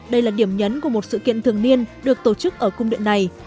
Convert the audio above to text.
đây là điểm nhấn của một sự kiện thường niên được tổ chức ở cung điện này